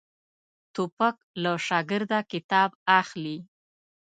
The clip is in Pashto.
توپک له شاګرده کتاب اخلي.